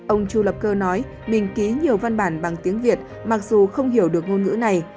ông chu lập cơ nói mình ký nhiều văn bản bằng tiếng việt mặc dù không hiểu được ngôn ngữ này